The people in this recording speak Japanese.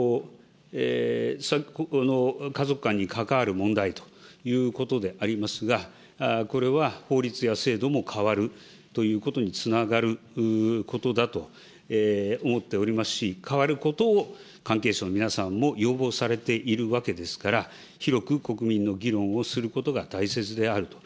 ここの家族観に関わる問題ということでありますが、これは法律や制度も変わるということにつながることだと思っておりますし、変わることを関係者の皆さんも要望されているわけですから、広く国民の議論をすることが大切であると。